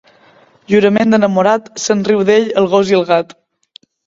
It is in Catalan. Jurament d'enamorat, se'n riu d'ell el gos i el gat.